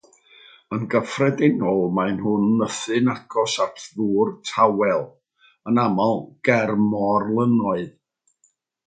Yn gyffredinol maen nhw'n nythu'n agos at ddŵr tawel, yn aml ger morlynnoedd.